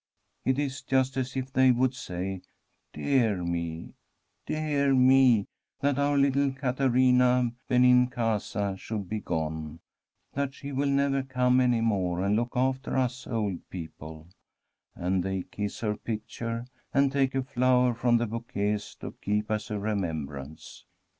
It is just as if they would say :* Dear me— dear me I that our little Caterina Benincasa should be gone, that she will never come any more and look after us old people I ' And they kiss her picture, and take a flower from the bouquets to keep as a remembrance.